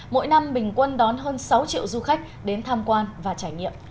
mỗi năm bình quân đón hơn sáu triệu du khách đến tham quan và trải nghiệm